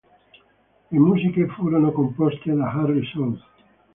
Le musiche furono composte da Harry South.